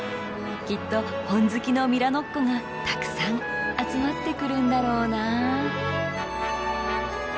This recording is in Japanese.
きっと本好きのミラノっ子がたくさん集まってくるんだろうな。